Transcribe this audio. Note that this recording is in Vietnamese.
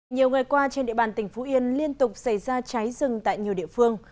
nhiều ngày qua trên địa bàn tỉnh phú yên liên tục xảy ra cháy rừng tại nhiều địa phương